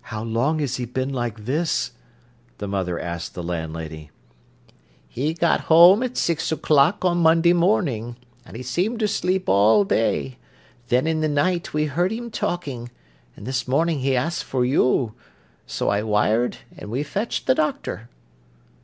"How long has he been like this?" the mother asked the landlady. "He got home at six o'clock on Monday morning, and he seemed to sleep all day; then in the night we heard him talking, and this morning he asked for you. So I wired, and we fetched the doctor."